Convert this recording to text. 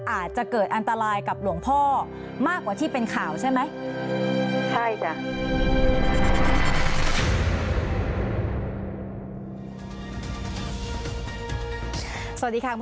อาจจะเกิดอันตรายกับหลวงพ่อมากกว่าที่เป็นข่าวใช่ไหม